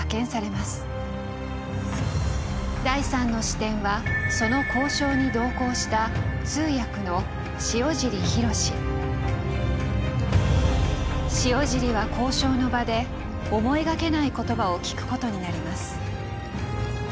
第３の視点はその交渉に同行した塩尻は交渉の場で思いがけない言葉を聞くことになります。